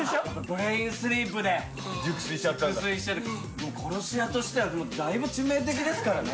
ブレインスリープで熟睡してる殺し屋としてはもうだいぶ致命的ですからね